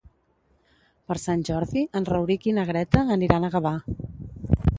Per Sant Jordi en Rauric i na Greta aniran a Gavà.